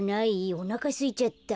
おなかすいちゃった。